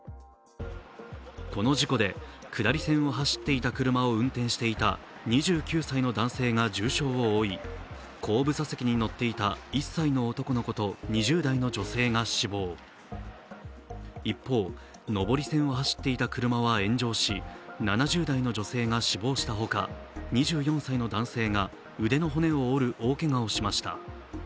この事故で下り線を走っていた車を運転していた２９歳の男性が重傷を負い後部座席に乗っていた１歳の男の子と２０代の女性が死亡、一方、上り線を走っていた車は炎上し、７０代の女性が死亡したほか２４歳の男性が腕の骨を折る大けがをしました。